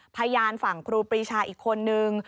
พยานฝั่งครูปรีชาอีกคนนึง